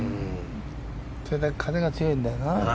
それだけ風が強いんだよな。